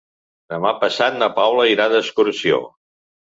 Demà passat na Paula irà d'excursió.